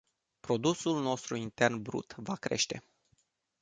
Produsul nostru intern brut va crește.